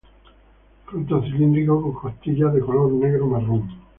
Fruto cilíndrico con costillas, de color negro marrón.